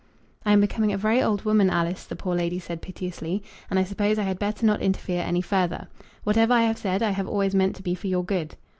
"I am becoming a very old woman, Alice," the poor lady said, piteously, "and I suppose I had better not interfere any further. Whatever I have said I have always meant to be for your good."